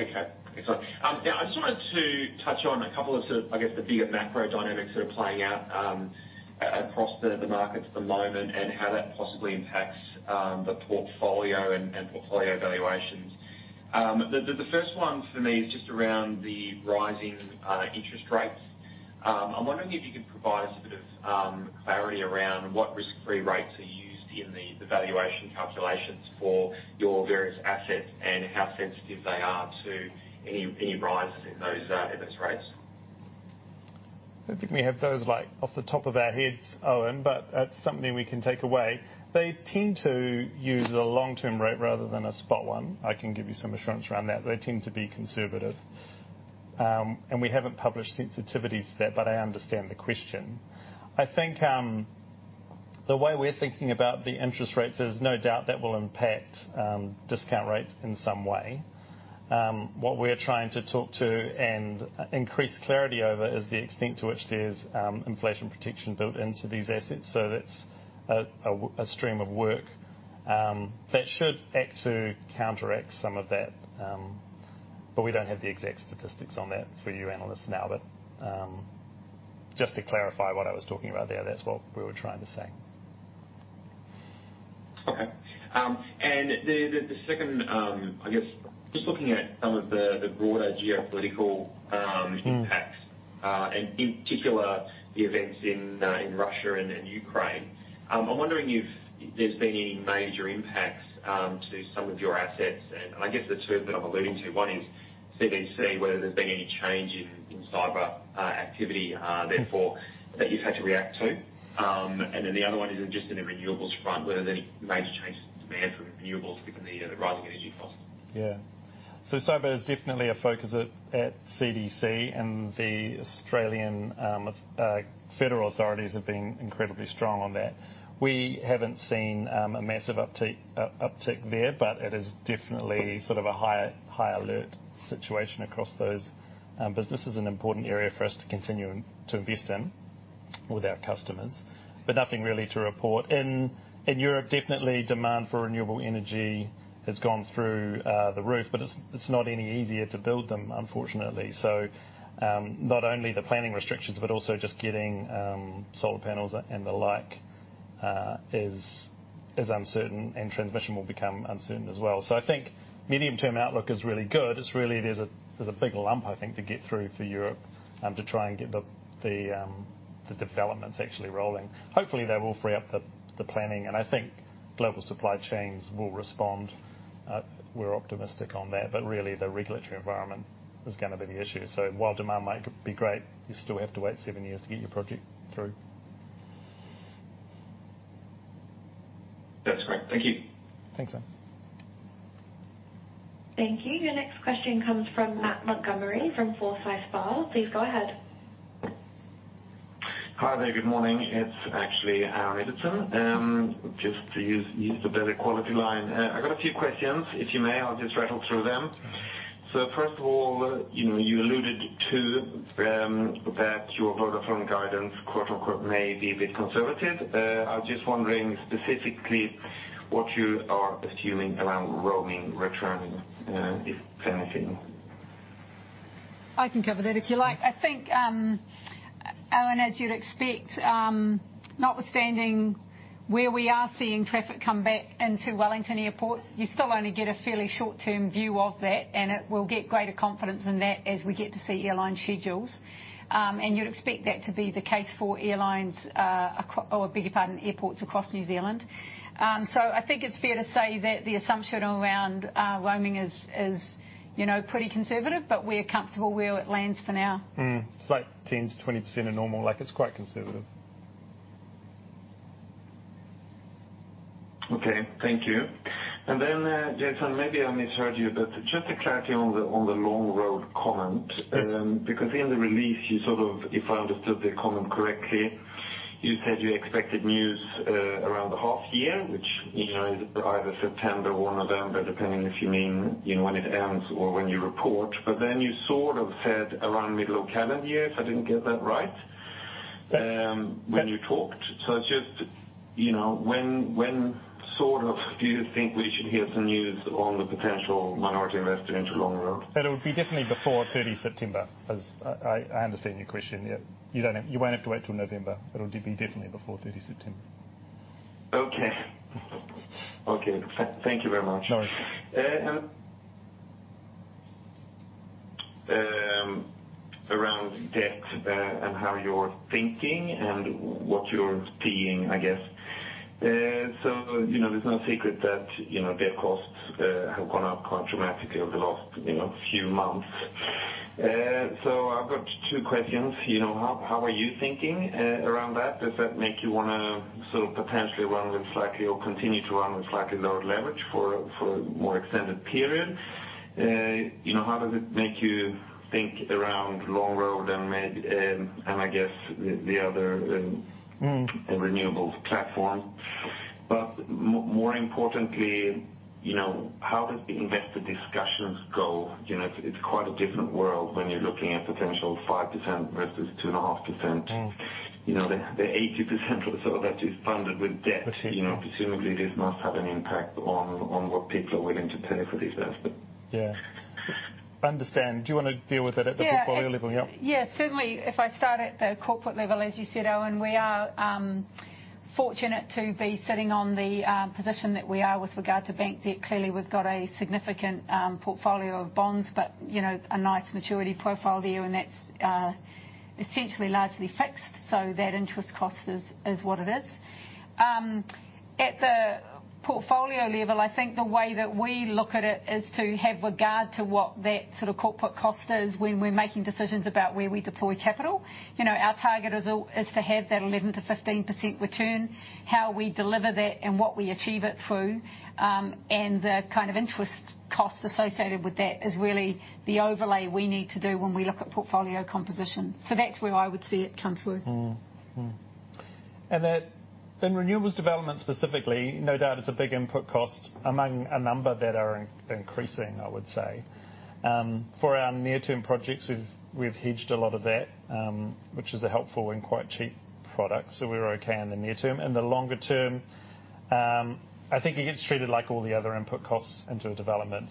Okay. Sorry. Now I just wanted to touch on a couple of sort of, I guess, the bigger macro dynamics that are playing out, across the markets at the moment and how that possibly impacts, the portfolio and portfolio valuations. The first one for me is just around the rising interest rates. I'm wondering if you could provide us a bit of clarity around what risk-free rates are used in the valuation calculations for your various assets and how sensitive they are to any rises in those interest rates. I don't think we have those, like, off the top of our heads, Owen, but that's something we can take away. They tend to use a long-term rate rather than a spot one. I can give you some assurance around that. They tend to be conservative. We haven't published sensitivities to that, but I understand the question. I think the way we're thinking about the interest rates is no doubt that will impact discount rates in some way. What we're trying to talk to and increase clarity over is the extent to which there's inflation protection built into these assets. That's a stream of work that should act to counteract some of that. We don't have the exact statistics on that for you analysts now. Just to clarify what I was talking about there, that's what we were trying to say. Okay. The second, I guess just looking at some of the broader geopolitical. Mm. Impacts, and in particular, the events in Russia and Ukraine, I'm wondering if there's been any major impacts to some of your assets. I guess the two that I'm alluding to, one is CDC, whether there's been any change in cyber activity therefore that you've had to react to. The other one is just in the renewables front. Whether there's any major changes in demand for renewables given the rising energy costs. Yeah. Cyber is definitely a focus at CDC, and the Australian federal authorities have been incredibly strong on that. We haven't seen a massive uptick there, but it is definitely sort of a high alert situation across those businesses, an important area for us to continue to invest in with our customers, but nothing really to report. In Europe, definitely demand for renewable energy has gone through the roof, but it's not any easier to build them, unfortunately. Not only the planning restrictions, but also just getting solar panels and the like is uncertain and transmission will become uncertain as well. I think medium-term outlook is really good. It's really, there's a big lump, I think, to get through for Europe, to try and get the developments actually rolling. Hopefully, that will free up the planning, and I think global supply chains will respond. We're optimistic on that, but really the regulatory environment is gonna be the issue. While demand might be great, you still have to wait seven years to get your project through. That's great. Thank you. Thanks, Owen. Thank you. Your next question comes from Matt Montgomerie from Forsyth Barr. Please go ahead. Hi there. Good morning. It's actually Aaron Ibbotson. Just to use the better quality line. I've got a few questions. If I may, I'll just rattle through them. First of all, you know, you alluded to that your Vodafone guidance, quote-unquote, "may be a bit conservative." I was just wondering specifically what you are assuming around roaming return, if anything. I can cover that if you like. I think, Aaron, as you'd expect, notwithstanding where we are seeing traffic come back into Wellington Airport, you still only get a fairly short-term view of that, and it will get greater confidence in that as we get to see airline schedules. You'd expect that to be the case for airports across New Zealand. I think it's fair to say that the assumption around roaming is, you know, pretty conservative, but we're comfortable where it lands for now. It's like 10%-20% of normal. Like, it's quite conservative. Okay. Thank you. Jason, maybe I misheard you, but just to clarify on the Longroad comment. Yes. Because in the release you sort of, if I understood the comment correctly, you said you expected news around the half year, which you know is either September or November, depending if you mean, you know, when it ends or when you report. But then you sort of said around mid local calendar year, if I didn't get that right? Yes. When you talked. Just, you know, when sort of do you think we should hear some news on the potential minority investor into Longroad? That it would be definitely before 30 September, as I understand your question. Yeah. You don't have, you won't have to wait till November. It'll be definitely before 30 September. Okay. Thank you very much. No worries. Around debt, and how you're thinking and what you're seeing, I guess. You know, there's no secret that, you know, debt costs have gone up quite dramatically over the last, you know, few months. I've got two questions. You know, how are you thinking around that? Does that make you wanna sort of potentially run with slightly or continue to run with slightly lower leverage for a more extended period? You know, how does it make you think around Longroad and may, and I guess the other. Mm. renewables platform. More importantly, you know, how does the investor discussions go? You know, it's quite a different world when you're looking at potential 5% versus 2.5%. Mm. You know, the 80% or so that is funded with debt. That's it. You know, presumably this must have an impact on what people are willing to pay for the asset. Yeah. Understand. Do you wanna deal with it at the portfolio level? Yeah. Yeah. Yeah, certainly. If I start at the corporate level, as you said, Owen, we are fortunate to be sitting on the position that we are with regard to bank debt. Clearly, we've got a significant portfolio of bonds, but, you know, a nice maturity profile there, and that's essentially largely fixed, so that interest cost is what it is. At the portfolio level, I think the way that we look at it is to have regard to what that sort of corporate cost is when we're making decisions about where we deploy capital. You know, our target is to have that 11%-15% return. How we deliver that and what we achieve it through, and the kind of interest cost associated with that is really the overlay we need to do when we look at portfolio composition. That's where I would see it come through. That in renewables development specifically, no doubt it's a big input cost among a number that are increasing, I would say. For our near-term projects, we've hedged a lot of that, which is a helpful and quite cheap product, so we're okay in the near term. In the longer term, I think it gets treated like all the other input costs into a development.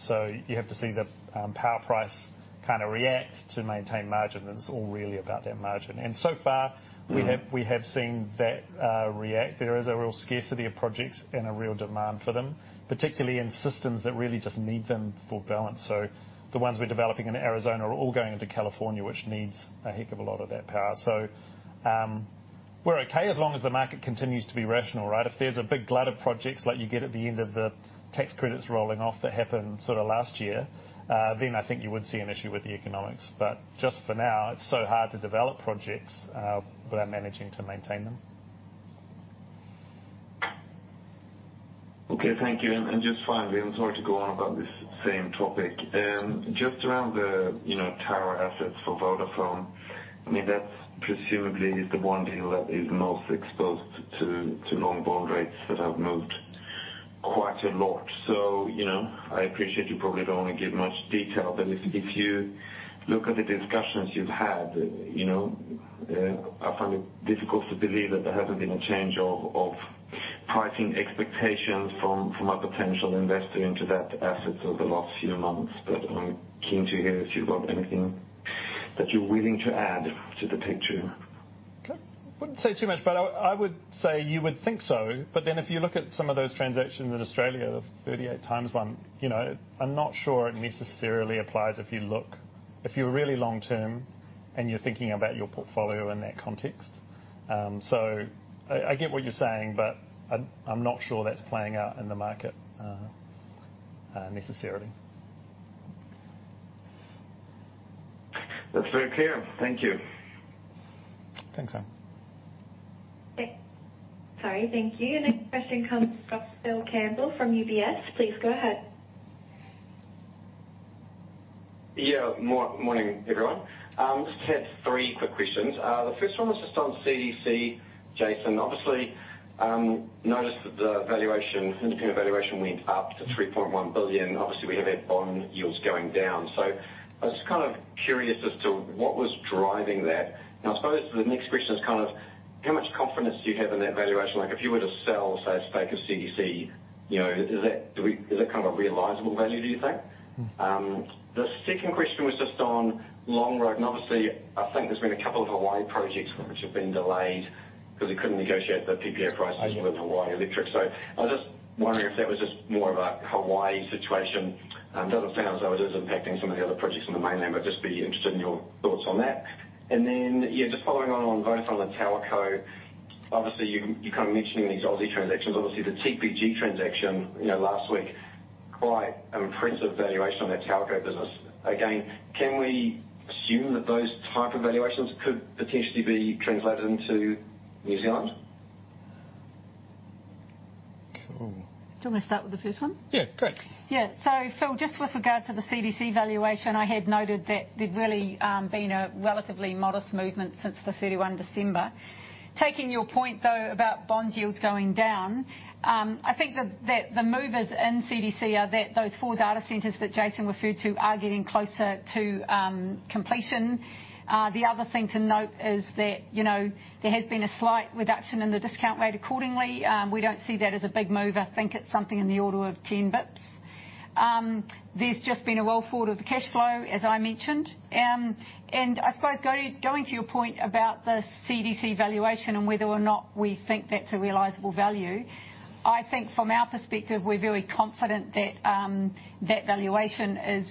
You have to see the power price kinda react to maintain margin. It's all really about that margin. So far. Mm-hmm. We have seen that right. There is a real scarcity of projects and a real demand for them, particularly in systems that really just need them for balance. The ones we're developing in Arizona are all going into California, which needs a heck of a lot of that power. We're okay as long as the market continues to be rational, right? If there's a big glut of projects like you get at the end of the tax credits rolling off that happened sorta last year, then I think you would see an issue with the economics. Just for now, it's so hard to develop projects without managing to maintain them. Okay, thank you. Just finally, I'm sorry to go on about this same topic. Just around the, you know, tower assets for Vodafone. I mean, that presumably is the one deal that is most exposed to long bond rates that have moved quite a lot. You know, I appreciate you probably don't want to give much detail, but if you look at the discussions you've had, you know, I find it difficult to believe that there hasn't been a change of pricing expectations from a potential investor into that asset over the last few months. I'm keen to hear if you've got anything that you're willing to add to the picture. Okay. Wouldn't say too much, but I would say you would think so. If you look at some of those transactions in Australia, the 38 times one, you know, I'm not sure it necessarily applies if you look, if you're really long term and you're thinking about your portfolio in that context. I get what you're saying, but I'm not sure that's playing out in the market, necessarily. That's very clear. Thank you. Thanks, Owen. Okay. Sorry, thank you. Next question comes from Phil Campbell from UBS. Please go ahead. Morning, everyone. Just had three quick questions. The first one was just on CDC. Jason, obviously, noticed that the valuation, independent valuation went up to 3.1 billion. We have had bond yields going down. I was kind of curious as to what was driving that. I suppose the next question is kind of how much confidence do you have in that valuation? Like, if you were to sell, say, a stake of CDC, you know, is that kind of a realizable value, do you think? Mm. The second question was just on Longroad, and obviously I think there's been a couple of Hawaii projects which have been delayed because they couldn't negotiate the PPA prices. Right. with Hawaiian Electric. I was just wondering if that was just more of a Hawaii situation. Doesn't sound as though it is impacting some of the other projects in the mainland, but I'd just be interested in your thoughts on that. Yeah, just following on both the telco, obviously you kind of mentioning these Aussie transactions. Obviously, the TPG transaction, you know, last week Quite an impressive valuation on that telco business. Again, can we assume that those type of valuations could potentially be translated into New Zealand? Cool. Do you want me to start with the first one? Yeah, great. Yeah. Phil, just with regards to the CDC valuation, I had noted that there's really been a relatively modest movement since 31 December. Taking your point though about bond yields going down, I think that the movers in CDC are those four data centers that Jason referred to are getting closer to completion. The other thing to note is that, you know, there has been a slight reduction in the discount rate accordingly. We don't see that as a big mover. I think it's something in the order of 10 basis points. There's just been a walkthrough of the cash flow, as I mentioned. I suppose, going to your point about the CDC valuation and whether or not we think that's a realizable value, I think from our perspective, we're very confident that that valuation is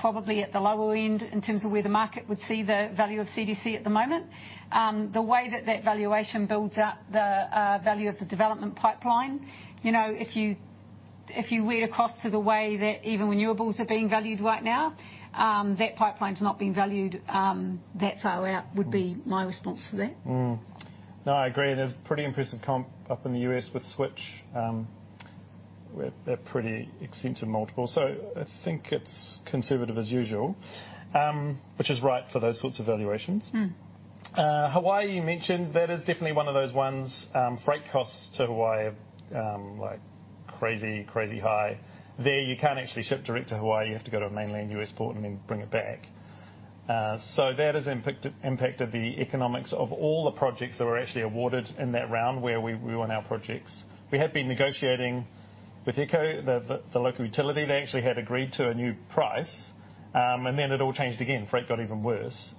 probably at the lower end in terms of where the market would see the value of CDC at the moment. The way that that valuation builds up the value of the development pipeline, you know, if you were to compare to the way that even renewables are being valued right now, that pipeline's not being valued that far out, would be my response to that. No, I agree. There's pretty impressive comp up in the U.S. with Switch. With a pretty extensive multiple. I think it's conservative as usual, which is right for those sorts of valuations. Mm. Hawaii, you mentioned that is definitely one of those ones. Freight costs to Hawaii are like crazy high. There, you can't actually ship direct to Hawaii. You have to go to a mainland U.S. port and then bring it back. That has impacted the economics of all the projects that were actually awarded in that round where we won our projects. We had been negotiating with HECO, the local utility. They actually had agreed to a new price, and then it all changed again. Freight got even worse.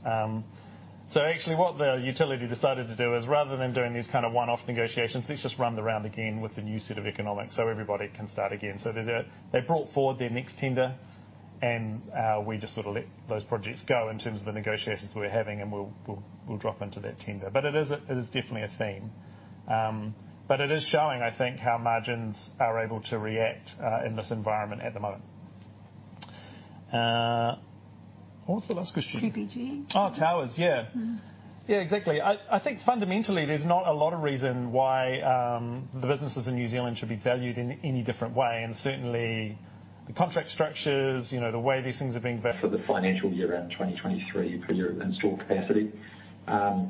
Actually what the utility decided to do is, rather than doing these kind of one-off negotiations, let's just run the round again with a new set of economics so everybody can start again. They brought forward their next tender, and we just sort of let those projects go in terms of the negotiations we're having, and we'll drop into that tender. It is definitely a theme. It is showing, I think, how margins are able to react in this environment at the moment. What was the last question? TPG. Oh, towers, yeah. Mm. Yeah, exactly. I think fundamentally, there's not a lot of reason why the businesses in New Zealand should be valued in any different way. Certainly the contract structures, you know, the way these things are being built. For the financial year end 2023 for Infratil's capacity.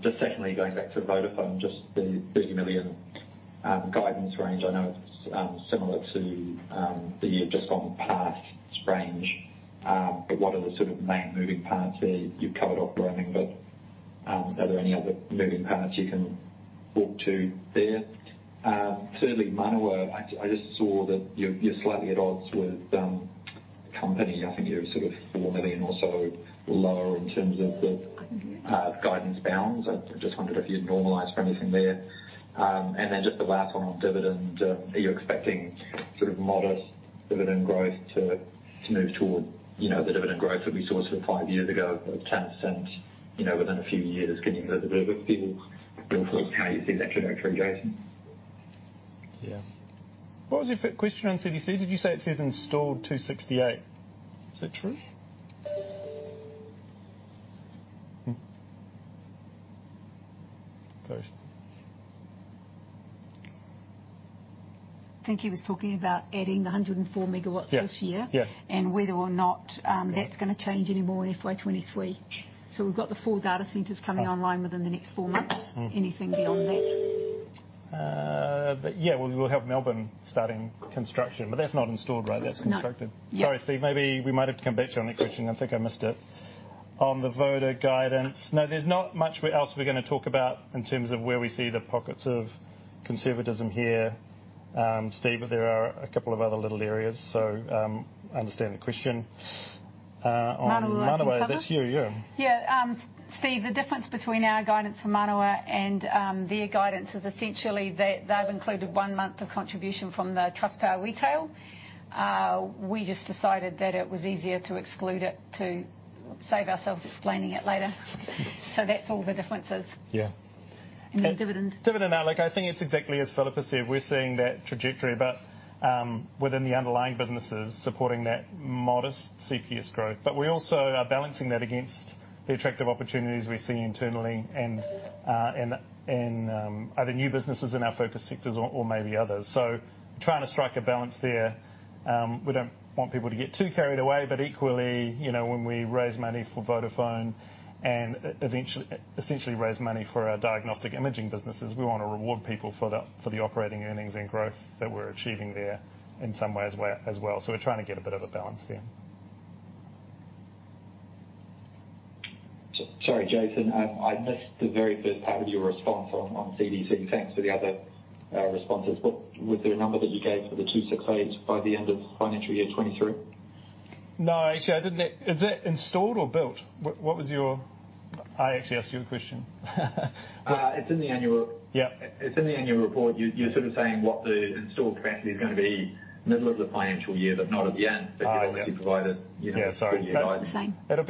Just secondly, going back to Vodafone, just the 30 million guidance range. I know it's similar to that you've just gone past range, but what are the sort of main moving parts there? You've covered operating, but are there any other moving parts you can talk to there? Thirdly, Manawa. I just saw that you're slightly at odds with company. I think you're sort of 4 million or so lower in terms of the guidance bounds. I just wondered if you'd normalized for anything there. Then just the last one on dividend. Are you expecting sort of modest dividend growth to move toward, you know, the dividend growth that we saw sort of five years ago of 10%, you know, within a few years? Can you give a bit of a feel for how you see that trajectory, Jason? What was your question on CDC? Did you say it says installed 268? Is that true? Sorry. I think he was talking about adding 104 MW this year. Yeah, yeah. Whether or not that's gonna change anymore in FY 2023. We've got the four data centers coming online within the next four months. Mm-hmm. Anything beyond that. Yeah, we'll have Melbourne starting construction, but that's not installed, right? That's constructed. No, yeah. Sorry, Steve, maybe we might have to come back to you on that question. I think I missed it. On the Vodafone guidance. No, there's not much else we're gonna talk about in terms of where we see the pockets of conservatism here, Steve, but there are a couple of other little areas. I understand the question. On Manawa- Manawa. I can cover. That's you, yeah. Yeah, Steve, the difference between our guidance for Manawa and their guidance is essentially that they've included one month of contribution from the Trustpower Retail. We just decided that it was easier to exclude it to save ourselves explaining it later. That's all the difference is. Yeah. Your dividend. Dividend, look, I think it's exactly as Phillippa has said. We're seeing that trajectory, but within the underlying businesses supporting that modest CPS growth. We also are balancing that against the attractive opportunities we're seeing internally and other new businesses in our focus sectors or maybe others. Trying to strike a balance there. We don't want people to get too carried away. Equally, you know, when we raise money for Vodafone and essentially raise money for our diagnostic imaging businesses, we wanna reward people for the operating earnings and growth that we're achieving there in some way as well. We're trying to get a bit of a balance there. Sorry, Jason. I missed the very first part of your response on CDC. Thanks for the other responses. Was there a number that you gave for the 268 by the end of financial year 2023? No, actually I didn't. Is that installed or built? I actually asked you a question. It's in the annual. Yeah. It's in the annual report. You're sort of saying what the installed capacity is gonna be middle of the financial year, but not at the end. Oh, okay. You've obviously provided, you know. Yeah, sorry. It's the same. It'll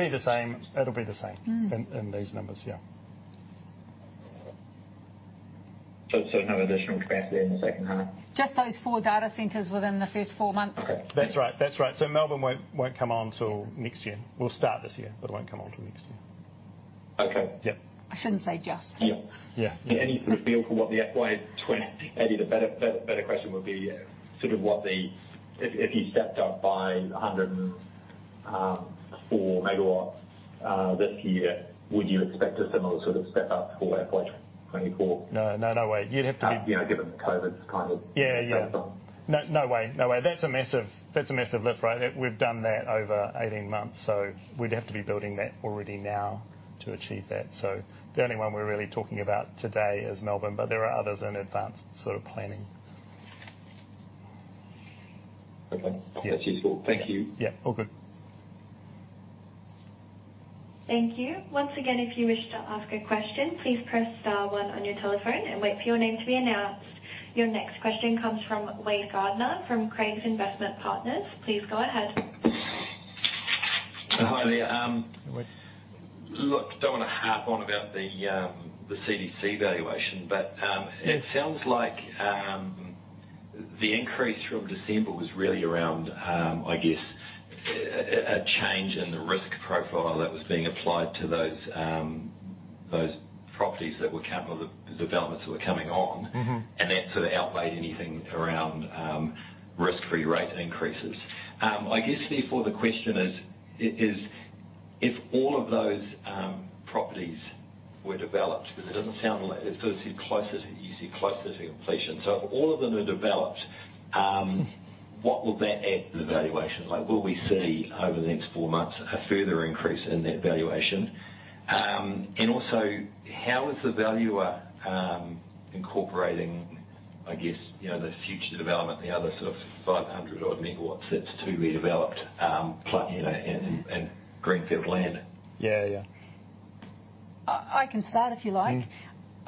be the same. Mm. In these numbers, yeah. No additional traffic there in the second half. Just those four data centers within the first four months. Okay. That's right. Melbourne won't come on till next year. We'll start this year, but it won't come on till next year. Okay. Yeah. I shouldn't say just. Yeah. Yeah. Maybe the better question would be, if you stepped up by 104 MW this year, would you expect a similar sort of step up for FY 2024? No, no way. You know, given COVID's kind of Yeah. Yeah. Settled down. No way. That's a massive lift, right? We've done that over 18 months. We'd have to be building that already now to achieve that. The only one we're really talking about today is Melbourne, but there are others in advanced sort of planning. Okay. Yeah. That's useful. Thank you. Yeah. All good. Thank you. Once again, if you wish to ask a question, please press star one on your telephone and wait for your name to be announced. Your next question comes from Wade Gardiner, from Craigs Investment Partners. Please go ahead. Hi there. Hi, Wade. Look, don't wanna harp on about the CDC valuation, but Yeah It sounds like the increase from December was really around, I guess, a change in the risk profile that was being applied to those properties that were coming or the developments that were coming on. Mm-hmm. That sort of outweighed anything around risk-free rate increases. I guess, therefore, the question is, if all of those properties were developed, because it doesn't sound like you said closer to completion. If all of them are developed, what will that add to the valuation? Like, will we see over the next four months a further increase in that valuation? Also how is the valuer incorporating, I guess, you know, the future development, the other sort of 500-odd MW that's to be developed, you know, and greenfield land? Yeah, yeah. I can start if you like.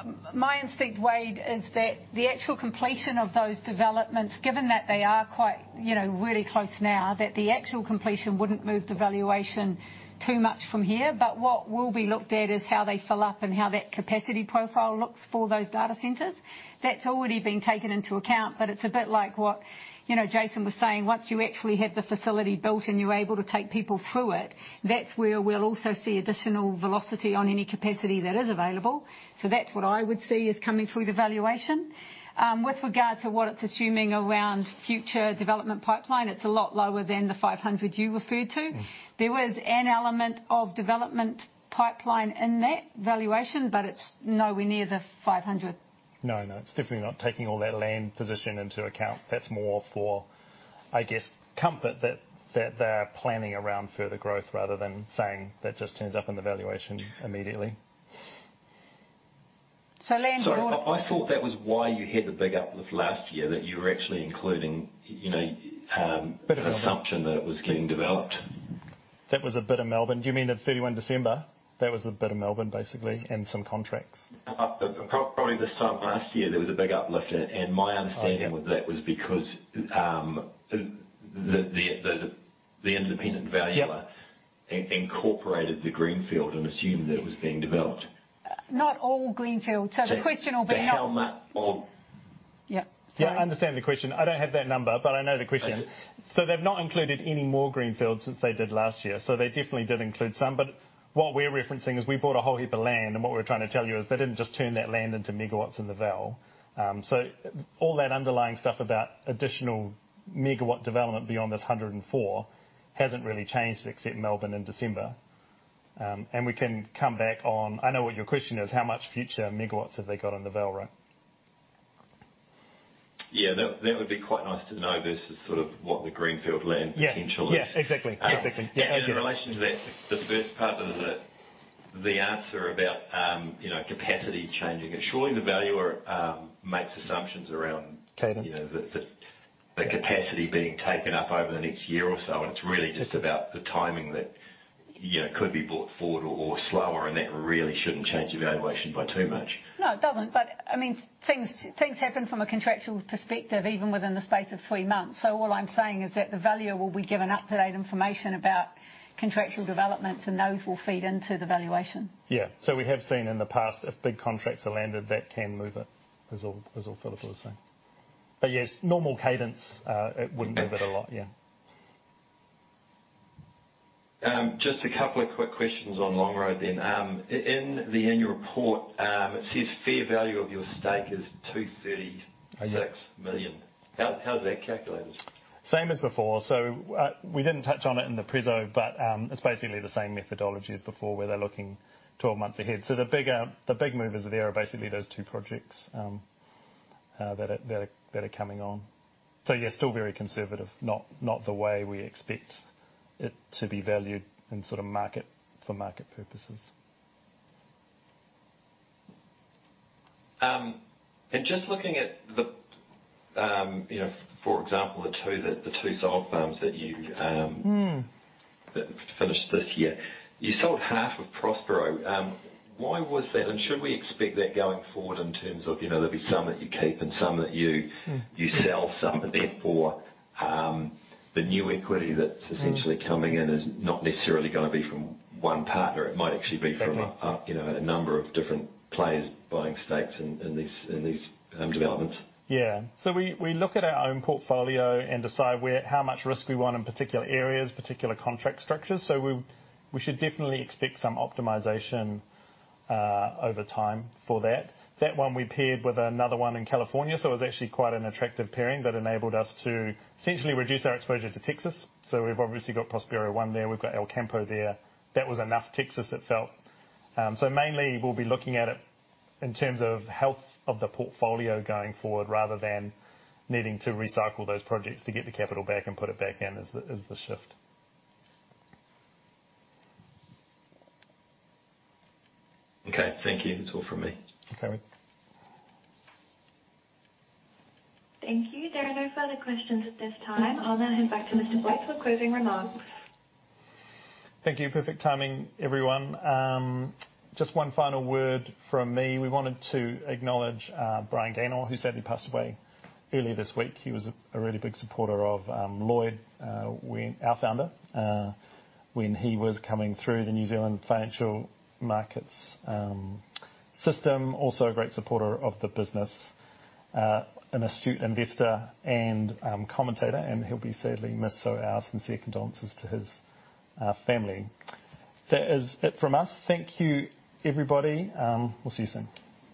Mm. My instinct, Wade, is that the actual completion of those developments, given that they are quite, you know, really close now, that the actual completion wouldn't move the valuation too much from here. What will be looked at is how they fill up and how that capacity profile looks for those data centers. That's already been taken into account, but it's a bit like what, you know, Jason was saying, once you actually have the facility built and you're able to take people through it, that's where we'll also see additional velocity on any capacity that is available. That's what I would see is coming through the valuation. With regard to what it's assuming around future development pipeline, it's a lot lower than the 500 you referred to. Mm. There was an element of development pipeline in that valuation, but it's nowhere near the 500. No, no, it's definitely not taking all that land position into account. That's more for, I guess, comfort that they're planning around further growth rather than saying that just turns up in the valuation immediately. So land- Sorry, I thought that was why you had the big uplift last year, that you were actually including, you know, Bit of Melbourne. An assumption that it was getting developed. That was a bit of Melbourne. Do you mean at 31 December? That was a bit of Melbourne, basically, and some contracts. Probably this time last year there was a big uplift and my understanding. Okay with that was because, the independent valuer Yeah incorporated the greenfield and assumed that it was being developed. Not all greenfield. The question will be. How much of Yeah. Sorry. Yeah, I understand the question. I don't have that number, but I know the question. Okay. They've not included any more greenfield since they did last year, so they definitely did include some. What we're referencing is we bought a whole heap of land, and what we're trying to tell you is they didn't just turn that land into MW in the valuation. All that underlying stuff about additional MW development beyond this 104 hasn't really changed except Melbourne in December. I know what your question is. How much future MW have they got in the valuation, right? Yeah. That would be quite nice to know versus sort of what the greenfield land Yeah potential is. Yeah, exactly. Yeah. In relation to that, the first part of the answer about, you know, capacity changing, and surely the valuer makes assumptions around- Cadence You know, the capacity being taken up over the next year or so, and it's really just about the timing that, you know, could be brought forward or slower, and that really shouldn't change the valuation by too much. No, it doesn't. I mean, things happen from a contractual perspective, even within the space of three months. All I'm saying is that the valuer will be given up-to-date information about contractual developments, and those will feed into the valuation. Yeah. We have seen in the past, if big contracts are landed, that can move it, is all Phillippa was saying. Yes, normal cadence, it wouldn't- Okay move it a lot. Yeah. Just a couple of quick questions on Longroad then. In the annual report, it says fair value of your stake is $236 million. Yeah. How is that calculated? Same as before. We didn't touch on it in the preso, but it's basically the same methodology as before, where they're looking 12 months ahead. The big movers there are basically those two projects that are coming on. Yeah, still very conservative, not the way we expect it to be valued in sort of market, for market purposes. Just looking at the you know, for example, the two solar farms that you Mm that finished this year. You sold half of Prospero. Why was that? Should we expect that going forward in terms of, you know, there'll be some that you keep and some that you- Mm... you sell some, and therefore, the new equity that's Mm Essentially coming in is not necessarily gonna be from one partner. It might actually be from a Exactly you know, a number of different players buying stakes in these developments. Development. We look at our own portfolio and decide where, how much risk we want in particular areas, particular contract structures. We should definitely expect some optimization over time for that. That one we paired with another one in California, so it was actually quite an attractive pairing that enabled us to essentially reduce our exposure to Texas. We've obviously got Prospero one there, we've got El Campo there. That was enough Texas, it felt. Mainly we'll be looking at it in terms of health of the portfolio going forward, rather than needing to recycle those projects to get the capital back and put it back in as the shift. Okay, thank you. That's all from me. Okay. Thank you. There are no further questions at this time. I'll now hand back to Mr. Boyes for closing remarks. Thank you. Perfect timing, everyone. Just one final word from me. We wanted to acknowledge Brian Gaynor, who sadly passed away earlier this week. He was a really big supporter of Lloyd, our founder, when he was coming through the New Zealand financial markets system. Also a great supporter of the business, an astute investor and commentator, and he'll be sadly missed, so our sincere condolences to his family. That is it from us. Thank you, everybody. We'll see you soon.